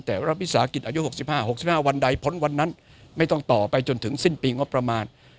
แต่รัฐวิสาหกิจอายุ๖๕๖๕วันใดพ้นวันนั้นไม่ต้องต่อไปจนถึงสิ้นปีงบประมาณ